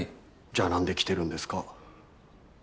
じゃあ何で来てるんですか？